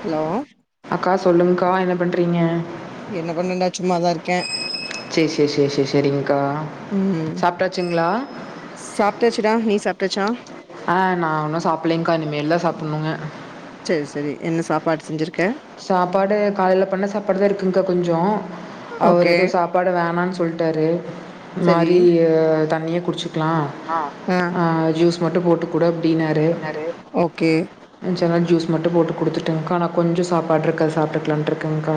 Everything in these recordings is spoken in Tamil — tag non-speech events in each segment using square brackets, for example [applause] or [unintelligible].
ஹலோ க்கா சொல்லுங்க்கா என்ன பண்றீங்க என்ன பண்ணடா சும்மாதா இருக்க செரி செரி செரி செரி செரிங் க்கா ம் சாப்ட்டாச்சுங்ளா டாச்சா ஆஹ் நா இன்னு சாப்பிடலங்க்கா இனிமேலதா சாப்பிடணுங்க செரி செரி என்ன சாப்பாடு செஞ்சிருக்க சாப்பாடு காலைல பண்ண சாப்பாடுதா இருக்கு கொஞ்சோ அவர் ஓகே எதோ சாப்பாடு வேணானு சொல்ட்டாரு செரி மாரி தண் ணிய குடிச்சு க்கலா ஆ ஜூஸ் மட்டும் போட்டு குடு அப்டினாரு யாரு? ஓகே எந்ச்சொன்ன ஜூஸ் மட்டும் போட்டு குடுத்துட்டேங்கா ஆனா கொஞ்சோ சாப் பாடுருக்கா சாப்பிட்டுக்கலான்ட்டுருக்கேங்கா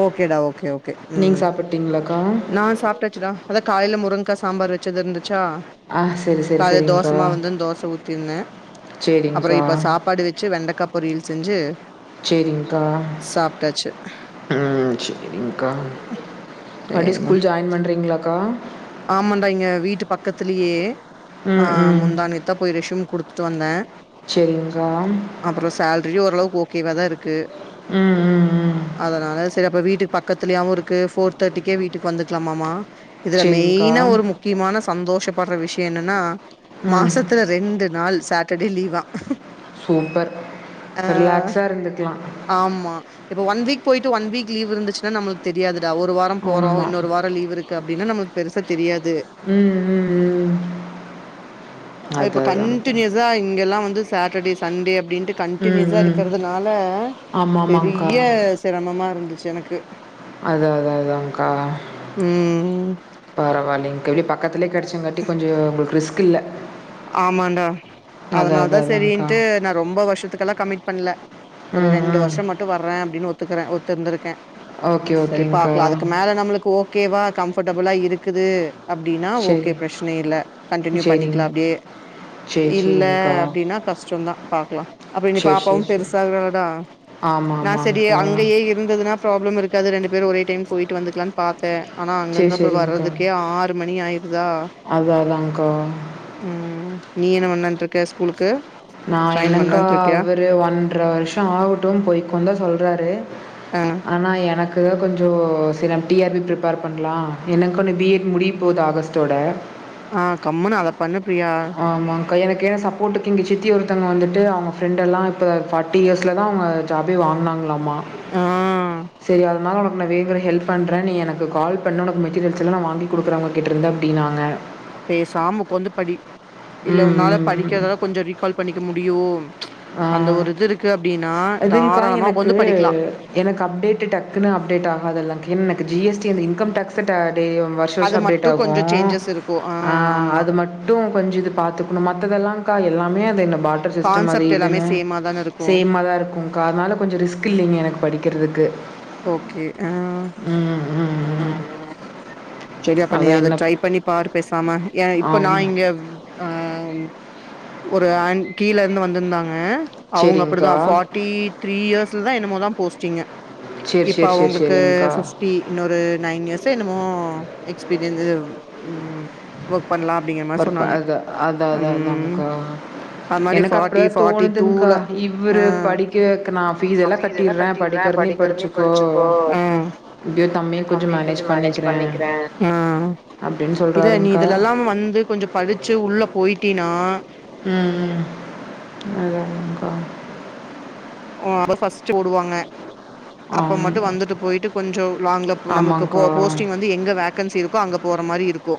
ஓகேடா ஓகே ஓகே ஓகே உம் சாப்பிட்டீங்களாக்கா நா சாப்பிட்டாச்சுடா அதா காலைல முருங்கா சாம்பார் வெச்சதிருந்து ச்சா ஆ சேரி சேரி காலைல சேரிங்க்கா தோசமாவு இந்துதுனு தோச ஊத்திந்த அப்றோ சேரிங்க்கா இப்ப சாப்பாடு வெச்சு வெண்டக்கா பொரியல் செஞ்சு சேரிங்கா சாப்ட்டாச்சு ம் சேரிங்க்கா படி ஸ்கூல் ஜாயின் பண்றீங்ளா க்கா ஆமான்டா இங்க வீட்டு பக்கத்திலியே ம் ஆஹ் ம் முந்தாநேத்தா போய் ரெஷ்யூம் குடுத் த்து வந்த சரிங்க்கா அப்றோ சேல்ரி ஓரளவுக் ஓக் க்கேவாதா இருக்கு ம் ம் ம் அதனால சேரி அப்ப வீட் ட்டு பக்கத்துலயாவு இருக்கு ஃபோர் தேட்டிக்கே வீட்டுக்கு வந்துக்கலாமாமா சரிங்க்கா மெயின்னா ஒரு முக்கிமான சந்தோஷோ பட்ற விஷ்ய என்னன்னா ம் மாசத்துல ரெண்டு நாள் சேட் டர்டே லீவ்வா சூப்பர் ரிலாக்ஸா இருந்துக்லா ஆமா இப்ப ஒன் வீக் போய்ட்டு ஒன் வீக் லவ் இருந்துச்சுனா நம்முளுக் தெரியாது தா ஒரு வாரோ போறோ ஆமாம் இன்னொரு வாரோ லீவ் இருக்கு அப் அப்டினா நமக் பெருசா தெரியாத் உம் உம் உம் அ, இப்ப அத்தாதா கண்டினியூஸா இங்கெல்லா வந்து சாட்டர்டே சன்டே அப்டின் ட்டு கண்ட்டினியூஸா ம் இருக்கறதுனால ஆமாம் ஆமாங்க்கா பெரிய சிரமமா இருந் ச் எனக்கு அத அத அதாங்க்கா ம் பரவாலிங்கா [unintelligible] கத்துலயே கெடச்சங்காட்டி கொஞ்சோ உங்ளுக்கு ரிஸ்க் இல்ல ஆமான்டா அதனால அது தா அதாங்க்கா சேரின்ட்டு நா ரொம்ப வருஷத்துக்கெல்லா கமிட் பண்ல ஒரு ம் ரெண்டு ம் வருஷோ மட்டு வர்றே அப்டினு ஒத்துக்கறே ஒத் துருந்துருக்கே ஓகே சேரி ஓகேங்க்கா பாக்லா அதுக்கு மேல நம்முளுக்கு ஓக் ஓகேவா கம்ஃபர்டபிளா இருக்குது அப்படின்னா ஓகே சரி பிரச்சன இல்ல கண்டனியூ பண்ணி சரிங்க டே சரி இல்ல சரிங்கக்கா அப்படின்னா கஷ்டம் தா பாக்கலா அப்ப இன்னு சரி சரி பாப்பாவும் சரி பெருசாகல டா ஆமாம் நா சரி ஆமாங்கக்கா அங்கயே இருந்ததுனா ப்ராப்ளம் இருக்காது ரெண்டு பேரு ஒரே டைம் போயிட்டு வந்துக்கலான்னு பார்த்த ஆனா அங்க இருந்தா வர்றதுக்கே ஆறு மணி ஆய் அதா அதாங்க்கா உம் நீ என்ன பண்ணலான்டுருக்க ஸ்கூலுக்கு நா ஜாயின் என்னக்கா பண்ணலான்ட்டு இருக்கியா அவரு ஒன்ற வருஷோ ஆகட்டு போய்க்கோ தா சொல்றாரு ஆ ஆனா எனக்கு தா கொஞ்சோ டிஆர்பி ப்ரிப்பேர் பண்ணலா எனக்கு இந்த பிஎட் முடிய போகுது ஆகஸ்ட்டோட ஆ கம்முனு அத பண்ணு பிரியா ஆமாக்கா எனக்கு சப்போர்ட்டுக்குங்க [inaudible] தி ஒருத்தவ்ங்க வந்துட்டு அவங்க ஃப்ரெண்டெல்லா இப்ப ஃபார்ட்டி இயர்ஸ்ல தா அவங்க ஜாபே வாங்னாங்களா மா ஆ செரி அதனால உனவேங்கிற ஹெல்ப் பண்றே நீ எனக்கு கால் பண்ணு உனக்கு மெட்டீரியல்ஸ்ல்லா வாங்கி குடுக்கிறவங்கிட்டருந்து அப்டினாங்க பேசாம ஒக்காந்து படி இல்ல ம் உன்னால ம் ம் படிக்கிறதால கொஞ்சோ ரீகால் பண்ணிக்க முடியூ ஆ அதுங்க்கா தாராளமா எனக்கு உக்காந்து படிக்கலா எனக்கு அப்டேட்டு டக்குன்னு அப்டேட் ஆகாதுல்ல கின்னக்கு ஜி எஸ் டி அந்த இன்கம் டேக்ஸ் டேட் ஏ வருஷ் வருஷோ அது அப்டேட் மட்டு ஆகூ கொஞ்சோ சேஞ்சஸ் இருக்கு ஆ ஆமா அது மட்டூ கொஞ்சோ இது பாத்துக்கணூ மத்ததெல்லா கா எல்லாமே அது என் பாட்டர் சிஸ்டம் அது கான்செப்ட் எல்லாமே சேமா தான இருக்கு சேமா தா இருக்கூ கா அத்னால கொஞ்சோ ரிஸ்க் இல்லிங்க எனக்கு படிக் கிறதுக்கு ஓகே ஆ ம் ம் ம் சரி அப்ப நீ அதான் அத என்ன ட்ரை பண்ணி பாரு பேசாம ஏ இப்ப நா ஆமாம் இங்கவ் அ ஆ ஒரு ஆண் கீழருந்து வந்திருந்தாங்க அவுங்க அப்டிதா சரிங்க்கா ஃபார்ட்டி த்ரீ இயர்ஸ் தில்தா என்னமோதா போஸ்டிங்கே சரி இப்ப சரி சரி அவுங்க்ள்க்கு சரிங்க்கா ஃபிஃப்டி இன்னொரு நைன் இயர்ஸ் ச என்னுமோ எக்ஸ்பீரியன்ஸுவ் ம் ஒகீ பர்ப் அத அதா அதா ம் அதான்க்கா அது மாரி எனக்கு ஃபார்ட்டி அப்டிதா ஃபார்ட்டி தோணுதுங்க்கா டூல இவ்ரு படிக்க வெக்கனா ம் இப்படியோ தம்பியும் கொஞ்சம் மேனேஜ் பண்ணிக்கிறேன் ஆ அப்படின்னு இல்ல நீ சொல்கிறாருங்க்கா இதுலல்லா வந் படிச்சு உள்ளப் போயிட்டினா ம் ம் அதாங்க்கா ஓ அவ ஃபஸ்ட்டு ஓடுவாங்க அப்ப ஆமாம் மட்டூ வந்துட்டு போயிட்டு கொஞ்சோ லாங்ல ப நமக்கு போ ஆமாங்க்கா போஸ்டிங் வந்து எங்க வேக்கன்சி இருக் கோ அங்க போற மாரி இருக்கூ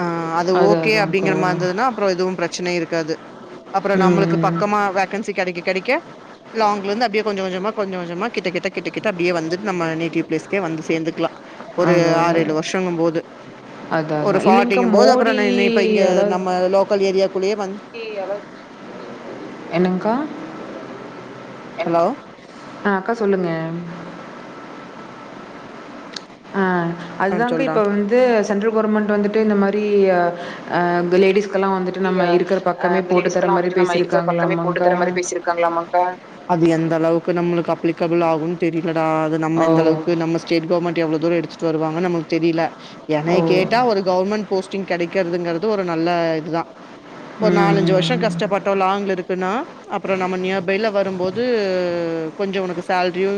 ஆ அது ஓகே அப்டிங்கற மா இருந்துதுன்னா அப்றோ எதுவு ப்ரச் சன இருக்காது அப்றோ ம் நம்மளுக்கு ம். பக்கமா வேகன்சி கெடைக்க கெடைக் க லாங்லருந்து அப்டியே கொஞ்ச கொஞ்சமா கொஞ்ச கொஞ்சமா கிட்ட கிட்ட கிட்ட கிட்ட அப்டியே வந்து நம்ம நேட்டிவ் பிளேஸ்கே வந்து சேந்துர்க்லா ஒரு அது ஆறு அதான் ஏழு வருஷங் போது அது ஒரு அதான் இல்லைங்க்கா ஃபார்டிங் போது அப்றோ மோடி நா நி இப்ப இங்க அதாவது நம்ம லோக்கல் ஏரியாக்குள்ளேயே வந்து என்னங்க்கா ஹலோ ஆஹ் அக்கா சொல்லுங்க ஆஹ் ஆ அதுதாங்கா சொல்றா இப்ப வந்து சென்ட் கவர்மெண்ட் வந்துட்டு இந்த மாரி ஆஹ் ஆஹ் லேடிஸ் கெல்லாம் மாதிரி வந்துட்டு நம்மயிற பக்கமே போட்டு பேசியிருக்காங்களாமாங்க்கா தர மாதிரி பேசிருக்காங்களமாங்கா அது எந்த அளவு க்கு நம்மளுக்கு அப்ளிக்கபிள் ஆகுனு தெரி லடா அது ஓ நம்மந்தளவுக்கு நம்ப ஸ்டேட் கவர்மெண்ட் எவ்ளோ தூரோ எடுத் [unintelligible] வருவாங்க நமக்கு தெரில என்னைய ஓ கேட்டா ஒரு கவர்மெண்ட் போஸ்டிங் கிடைக்கிறதுங்கறது ஒரு நல்ல இது தா ஒரு ம் நாலஞ்சு வருஷோ ம். கஷ்டப்பட்டோ லாங்ல இருக்குன்னா அப்றோ நம்ம நியர்பைல வர்க் வரும்போது கொஞ்சோ உனக்கு சேல்ரியு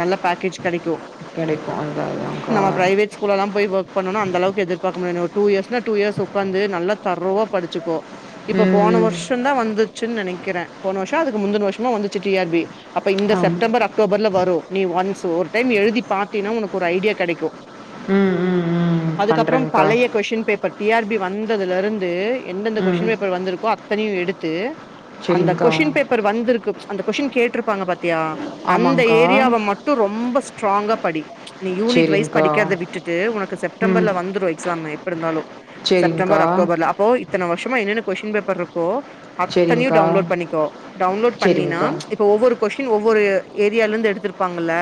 நல்ல பேக்கேஜ் கிடைக்கு கிடைக்கும் அதான் அதான்க்கா நம்ம பிரைவேட் ஸ்கூல்ல போய் வர்க் பண்ணோன அந்த அளவுக்கு எதிர்பார்க்க முடியாது டூ இயர்ஸ் இன்ன டூ இயர்ஸ் உட்காந்து நல்லா தர்ரோவா படி சுக்கோ இப்ப போன ம் வருஷோ தா வந்துருச்சுன்னு நெனைக்கிறே போன வருஷோ அதுக்கு முந்தன வருஷமா வந்துச்சு டி ஆர் பி அப்ப இந்த ஆம் செப்டம்பர் அக்டோபர்ல வரு நீ ஒன்ஸ் ஒரு டைம் எழுதி பாத்தீன்னா உனக்கு ஒரு ஐடியா கெடைக்கு ம் ம் ம் அதுக்கப்பறம் பண்ணுறேங்க்கா பழைய question paper T R B வந்ததுலருந்து எந்தெந்த ம் கொஸ்டின் பேப்பர் வந்திருக்கோ அத்தனையும் எடுத்து அந்த சரிங்க்கா கொஸ்டின் பேப்பர் வந்திருக்கு அந்த கொஸ்டின் கேட்ருப்பாங்க பத் த்திய அந்த ஆமாங்க்கா ஏரியாவை மட்டும் ரொம்ப ஸ்ட்ராங்கா படி. நீ யூனிட் வைஸ் சரிங்க்கா படிக்ரத விட்டுட்டு உனக்கு ம் செப்டம்பர்ல வந்துரும், எக்ஸாம் எப்படி இருந்தாலும், சரிங்க்கா செப்டம்பர் அக்டோபர்ல, அப்போ வருஷமா என்னென்ன கொஸ்டின் பேப்பர் இருக்கோ அத்தனையும் சரிங்க்கா டவுன்லோட் பண்ணிக்கோ. டவுன்லோட் பண்ணினா சரிங்க்கா இப்ப ஒவ்வொரு கொஸ்டின் ஒவ்வொரு ஏரியாலருந்து எடுத்திருப்பாங்கல்ல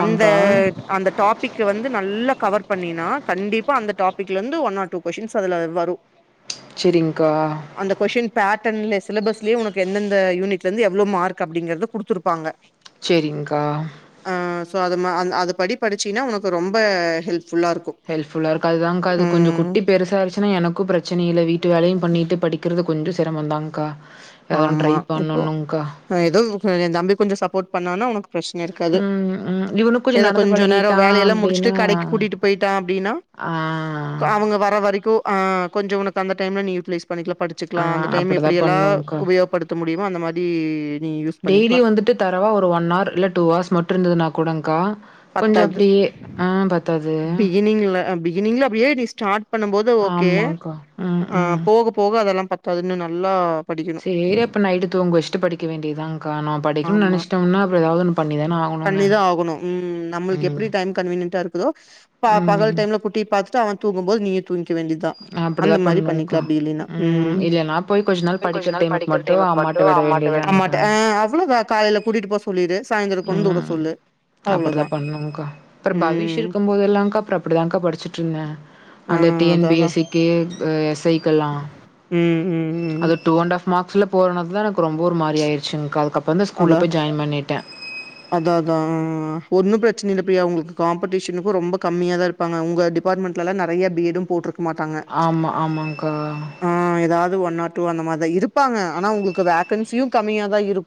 அந்த அந்த டாபிக் வந்து நல்லா கவர் பண்ணினா கண்டிப்பா அந்த டாபிக்ல இருந்து ஒன் ஆர் டூ கொஸ்டின் அதுல வரும். சரிங்கங்கா பேட்டர்ன்ல சிலபஸ்லயே உக்கு எந்த யூனிட்ல இருந்து எவ்வளவு மார்க் அப்படிங்கறத குடுருப்பாங்க. சரிங்க்கா சோ அது ம அது படி படிச்சின்னா உனக்கு ரொம்ப ஹெல்ப் ஹெல்ப்ஃபுல்லாருக்கும் அதுதானங்க அது கொஞ்சம் ம் குட்டி பெருசாயிடுச்சா எனக்கும் பிரச்ச பிரச்சனையில் வீட்டு வேலையும் பண்ணிட்டு படிக்கிறது கொஞ்சு சிரமம் தாங்கா. ஆமா இப்போ ஏதோ எந்த தம்பி கொஞ்சம் சப்போர்ட் பண்ணனா உனக்கு பிரச்சன இருக்காது ம், ம். இவனும் ஏதோ நடந்து கொஞ்சம் நேரம் பழகிட்டான் வேலையல்லாம் முடிச்சுட்டு அப்டின்னா கடைக்கு கூட்டிட்டு போயிட்டான் அப்படின்னா ஆ, அவங்க வர வரைக்கும் ஆ கொஞ்ச உனக்கு அந்த டைம்ல நீ யூட்டிலைஸ் பண்ணிக்கலாம் ஆ படிச்சிக்கலாம் அந்த டைம் அப்படிதான் எப்படியெல்லாம் பண்ணும்க்கா. உபயோப்படுத்த மு முடியுமோ அந்த மாதிரி டெய்லி வந்துட்டு தரவா ஒரு ஒன் ஆர் இல்ல டூஆர்ஸ் மட்டும் இருந்ததுன கூடுங்கா கொஞ்சம் பத்தாது அப்படியே ஆஹ் பத்தாது பிகிநீங்கள அப்படியே நீ ஸ்டார்ட் பண்ணும்போது ஓகே ஆமாங்க்கா. ம், ஆ ம். போக போக அதெல்லாம் பத்தாதுன்னு நல்லா படிக்கணு சேரி அப்ப நைட்டு தூங்க வெச்சிட்டு படிக்க வேண்டியதுதான்கா. நான் படிக்கணும்னு ஆமா நெனைச்சிட்டோம்னா அப்புறம் ஏதாவது ஒண்ணு பண்ணிதானே ஆகணுங்க. உம் நம்மளுக்கு ம் எப்படி டைம் கன்வீன் டா இருக்குதோ ப பகல் ம் டைம்ல குட்டிய பாத் அவன் தூங்கு போது நீயு தூங்கி வேண்டிதா அந்த அப்டிதா மாறி பண்ணிக்க பண்ணுங்க்கா அப்டி இல்லேனா ம் இல்லன்னா போய் கொஞ்ச படிக்கிற நாள் டைமுக்கு படிக்கற் மட்டு தேவ அம்மாட்ட மட்டூ விட அம்மாட்ட வேண்டியதாங்க்கா அம்மாட்ட ஆ அவ்ளோதா காலைல கூட்டிட்டு போ சொல்லிரு சாயந்ரோக் கொண்ந்து உட சொல்லு அவ்ளோதா அப்டிதான் பண்ணூ கா அப்றோ பவிஷ் ம் இருக்கும்போதல்லாம்க்கா அப்றோ அப்டிதான்கா படிச்ட்டு ருந்தே ஆ அந்த டி என் அதா பி அதா எஸ் ஸி க்கி ஏஸ் சேய்க் எல்லா ம் ம் ம் அது டூ அண்டாஃப் மாக்ஸ் ஸ்ல போறனாதா எனக்கு ரொம்ப ஒர் மாறி ஆய்ருச்சுங்க் கா வந்து ஸ்கூல்ல அதா போய் ஜாய்ன் பண்ணிட்டே அதா அதா ஒன்னும் பிரச்சன இல்ல ப்ரியா உங்ளுக்கு காம்படிஷனுக்கு ரொம்ப கம்மியா தா இருப்பாங்க உங்க டிபார்ட்மெண்ட்லலாம் நெறய பீடும் போட்ருக் மாட்டாங்க ஆமா ஆமாங்க்கா ஆ எதாது ஒன் ஆர் டூ அந்த மாற் தா இருப்பாங்க ஆனா உங்ளுக் வேக்கன்சியும் கம்மியா தா இருக்கு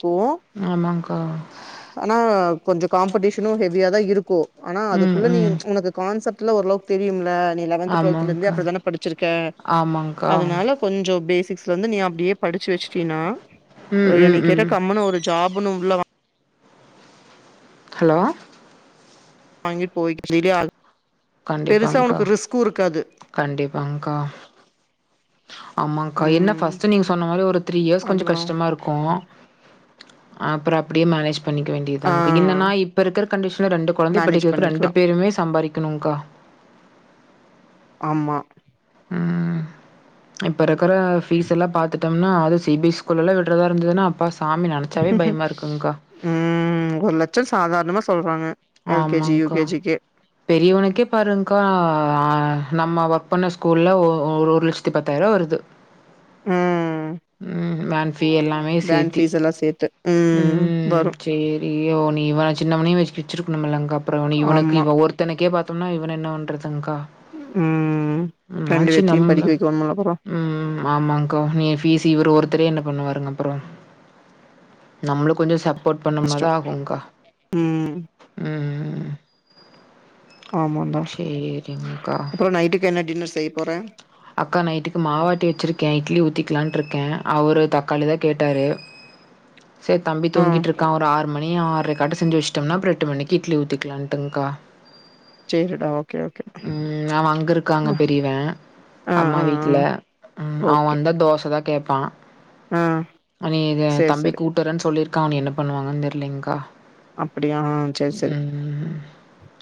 ஆமாங்க்கா நா கொஞ்ச காம்படிஷனு ஹெவ் வியா தா இருக்கூ ஆனா ம் அதுக்குள்ள நீ ம் உனக்கு கான்சப்ட் ல ஓர்ளவுக் தெரியும்ல நீ லெவன்த் டுவொல்துலர்ந்தே ஆமாங்க்கா அப்டித்தான படுச்சிருக்க ஆமாங்க்கா அதனால கொஞ்சோ பேஸ் சிக்ஸ்ல வந்து நீ அப்டியே படிச் வெக்ஷ்ட்டினா ஒ ம் ம் எனய கேட்ட ம் கம்முனு ஒரு ஜாபுனு உள்ள வா ஹலோ வாங்கிட் போய் [unintelligible] கண்டிப்பாங்க்கா கண்டிப்பாங்க்கா ஆமாங்க்கா என்ன ம். ஃபஸ்ட்டு நீங்க சொன்ன மாறி ஒரு த்ரீ இயர்ஸ் கொஞ்சோ அதான். கஷ்டமாருக்கூ அப்றோ அப்டியே மேனேஜ் பண்ணிக்க ஆ வேண்டியதார்கு என்னனா இப்பருக்ற கண்டிஷ்ன்ல ரெண்டு கொழந்தய மேனேஜ் படிக்கவெக்க ரெண்டு பண்ணிக்கலாம். பேருமே சம்பாறிக கனுங்க்கா ஆமா ம் இப்ப ருக்கிற ஃபீஸ் எல்லா பாத்துட்டம்னா அது சி பி எஸ் ஸ்கூல்லலா விட்றதா இருந்துதுனா [unintelligible] ஊம் ஒர் லட்சோ சாதார்ணமா சொல்றாங்க எல் கே ஜி, யூ ஆமாங்க்கா கே ஜி க்கே பெரியவ்னுக்கே பாருங்க்கா ஆ நம்ம ஒர்க் பண்ண ஸ்கூல்ல ஓ ஒர் லட்சத்தி பத்தாயிருவா வருது ம் உம் தீ எல்லாமே வேன் சேத்தி ஃபீஸ் எல்லா சேத்து ம் உம் வரு சேரி ஓ நீ சின்னமுன்னி வைஸ்க்கி சிருக்குணுமலங்ஹா அப்புறவாணி இவனுக்கு ஆமா இவா ஒருத்தனக்கே பாத் துன்னா இவன என்ன வன் [unintelligible] தன்கா ம் உம் ரெண்டு மான்ஸி பேத்தையு நம்ல படிக்க வைக்கணும்ல அப்புறோ ம் ஆமான்க்கா நீ ஃபீசி இவரு ஒரு தரே என்ன பண்ணுவாருங் அப்புறோ நம்ளு கொஞ்சு சப் போட் பண்ணும்மோது கஷ்டோ ஆகுன்க்கா ம் உம் ஆமான்டா சேரிங்க்கா அப்றோ நைட்டுக்கு என்ன டின்னர்ஸ் அக்கா நைட்டுக்கு மாவாட்டி வச்சிருக்கே இட்லி ஊத்தி க்குலான்ட்ருக்கே அவுரு தக்காளி தா கேட்டாரு சேர் தம்பி ஆ தூங்கிட்ருக்கா ஒரு ஆர் மணி ஆறு [unintelligible] செஞ்சு வஷ்டோம்னா அப்ற எட்டுமணிக்கு இட்லி ஊத்திக்குலான்ட்டுன்கா சேரிடா ஓகே ஓகே ம் அவன் அங்கிருக்காங்க ஆ பெரியவ ஆ அம்மா ஆ வீட்ல உம் அவன் ஓகே வந்தா தோச தா கேப்பான் ஆ அ நீ இத சேரி தம்பி சேரி கூட்வறன் சொல்லிர் கா நீ என்ன பண்ணுவாங்கன் தெரிலிங்க்கா அப்பிடியா சேர் செரி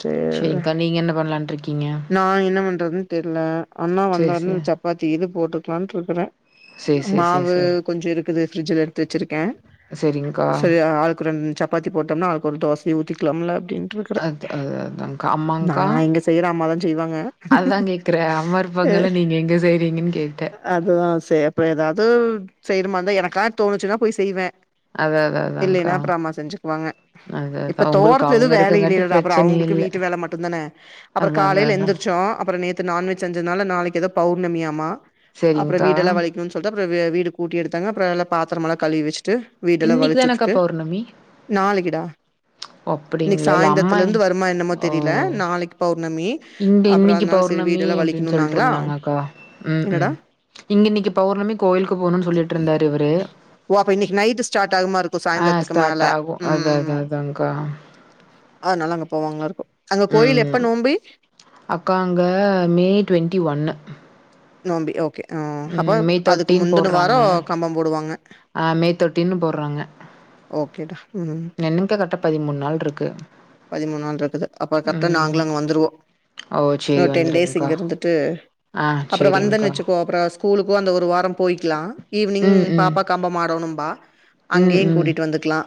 சேரி சரிங்க்கா. நீங்க என்ன பண்ணலான்ட்ருக்கீங்க? நான் என்ன பண்றதுன் தெர்ல அண்ணா சரி, வந்தார்னா சரி. சப்பாத்தி இது போட்டுக்குலான்ட்ருக்குற சரி, சரி, சரி, மாவு சரி. கொஞ்சு இருக்குது ஃபிரிட்ஜுல எடுத்து வச்சிருக்கே சரிங்க்கா. சரி ஆளுக்கு ரெண் ரெண் சப்பாத்தி போட்டம்னா ஒரு தோசய ஊத்திக்தலாம்ல அத் அது அதங்க்கா ஆமாங்க்கா அது அம்மா தா செய்வாங்க அம்மா அ இருப்பாங்கல்ல நீங்க எங்க செய்றீங்கன்னு கேட்டே அதுதா செ அப்புற எதாது செய்னும் மந்த எனக்கா தோணுச்சுன்னா போய் செய்வ அதா அதா அதான்க்கா இல்லேன்னா அப்புறு அம்மா செஞ்சுக்குவாங்க அதா அதா இப்ப உங்களுக்கு தோரத்துல எது அவங்க வேலை இருக்கங்காட்டி இல்லேலா அப்புறோ பிரச்சனை அவுங்ளுக்கு இல்ல வீட்டு வேல மட்டுந்தான அப்புறோ அதா அதா காலைல அதா எந்துர்ச்சோ அப்புற நேத்து நான்வெஜ் செஞ்சதனால நாளை எதோ பௌர்ணமியா மா அப்புற சரிங்க்கா வீடெல்லா வலைக்குண் சொல்ட்டு அப்புறு அது வீடு கூட்டி எடுத்தாங்க அப்புற எல்லா பாத்திரமுலா கழுவி வச் ட்டு வீடெ இன்னைக்கு தானக்கா வலச்சுட்டுட்டு பௌர்ணமி நாளைக்கிடா ஓ இன்னைக்கு அப்டிங்களா இல்ல அம்மா சாய்ந்தறத்துல இருந்து வருமா என்னமோ ஓ தெரியல நாளைக்குப் இங்க இன்னிக்கு பௌர்ணமி அப்டின்னு வலிக்கணும்னாங்களா சொல்லிட்டிருந்தாங்க அக்கா உம் என்னடா உம் இங்க இன்னிக்கு பௌர்ணமி கோயிலுக்கு போணுன்னு சொல்லிட்டு இருந்தாரு இவரு ஓ அப்ப இன்னைக்கு நைட்டு ஸ்டார்ட் ஆகுமா இருக்கும் சாயந்தரத்துக்கு மேல ம் அதனால அங்க போவாங்களா இருக்கு அங்க கோயில் எப் ம் அக்கா அங்க மே டுவெண்டி ஒன்னு நோம்பி ஓகே ஆ அப்ப ம் மே அதுக்கு தேட்டீன் முந்தின போடறாங்க வாரம் கம்பம் போடுவாங்க அ மே தேட்டீன்னு போடறாங்க கே டா உம் இருக்கு பதிமூணு நாள் இருக்குது அப்ப கரெட்டா நாங்களு ம் அங்க வந்துருவோ ஓ சேரி இன்னோர் டென் டேஸ் வந்துருங்க்கா இங்க இருந்துட்டு ஆ அப்புற வந்தன்னு சேரிங்க்கா வச்சுகோ அப்ற ஸ்கூல் ளுக்கோ அந்த ஒரு வாரம் போய்க்கிலா ஈவ்னிங் ம் ம் பாப்பா கம்பம் ஆடோனும்பா ம் அங்கேயு ம் கூட்டிட்டு வந்துக்கலா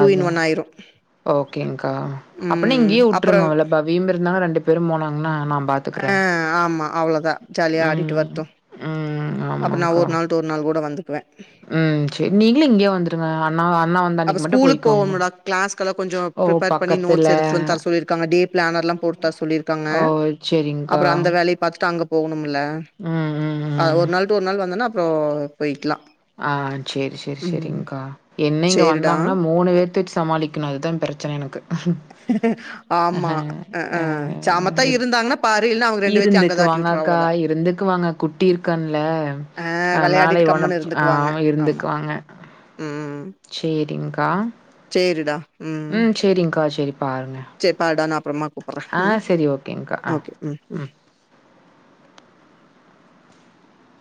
அதா ஓகேங்க்கா அப்பனா ம் இங்கே வுட்டுருங்க அப்புறம் அவள பவியு இருந்தான்னா ரெண்டு பேரு போனாங்னா நா பாத்துக்குறே ஜாலிய ஆடிட்டு வரட்டு அப்ப நா ஆமாங்க்கா ஒரு நாள் டு ஒரு நாள் கூட வந்து குவ ம் சேரி நீங்களு இங்கயே வந்துருங்க அண்ணா அண்ணா வந்த அவ அன்னைக்கு மட்டு ஸ்கூலுக் போய்க்கோங்க போவோம்மில்டா கிளாஸ்கெல்லா கொஞ்சோ ஓ பிரிப்பேர் பண்ணி பக்கத்துல நோட்ஸ் எடுத்துட்டு வந்து தர சொல்லிருக்காங்க டே பிளான் எல்லா போட்டு தர சொல்லிருக்காங்க ஓ அப்புற அந்த சேரிங்க்கா வேலைய பாத்துட்டு அங்க போணு இல்ல ம் ம் ஆ ம் ஒரு நாள் டடூ ஒரு நாள் வந்தனா அப் போ போய்க்கலா ஆ சேரி சேரி சேரிங் க்கா என்ன இங்க சரிடா வந்தாங்னா மூணு பேத்த வச்சு சமாளிக்கணு அதுதா பிரச்சன எனக்கு ஆ அ ஹ ஆமா அ ஆ சாமத்தா இருந்தாங்கன்னா பாரு இல்லைன்னா அவங்க ரெண்டு பேத்தையும் அங்க இருந்துக்கு தாட்டி விட்டுரும் வாங்கக்கா அவ்வளோதான் இருந்துக்கு வாங்க குட்டி இருக்கான்ல ஆ அதனால விளையாடிட்டு இவன கம்முன்னு பா இருந்துக்குவாங்க ஆமா ஆமா இருந்துக்குவாங்க சேரிங்க்கா சேரிடா ம் சேரிங்க்கா சேரி பாருங்க சரி பாருடா நா அப்றமா ஆ சரி ஓகேங் க்கா ஆ ம்